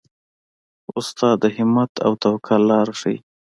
استاد د همت او توکل لاره ښيي.